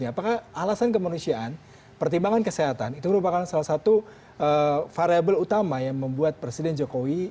apakah alasan kemanusiaan pertimbangan kesehatan itu merupakan salah satu variable utama yang membuat presiden jokowi